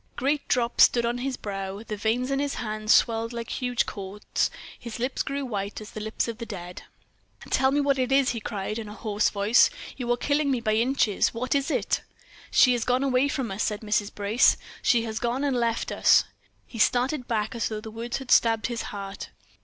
Great drops stood on his brow, the veins in his hands swelled like huge cords, his lips grew white as the lips of the dead. "Tell me what it is," cried he, in a hoarse voice. "You are killing me by inches. What is it?" "She has gone away from us," said Mrs. Brace. "She has gone and left us." He started back as though the words had stabbed his heart.